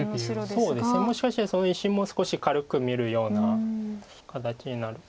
そうですねもしかしてその石も少し軽く見るような形になるかなと。